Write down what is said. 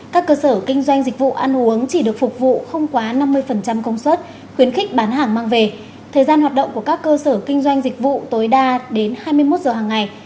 các cơ sở kinh doanh dịch vụ ăn uống chỉ được phục vụ không quá năm mươi công suất khuyến khích bán hàng mang về thời gian hoạt động của các cơ sở kinh doanh dịch vụ tối đa đến hai mươi một giờ hàng ngày